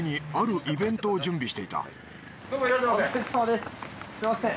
すみません。